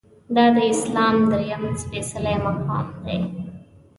دا د اسلام درېیم سپیڅلی مقام دی.